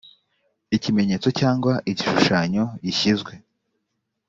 ikimenyetso cyangwa igishushanyo gishyizwe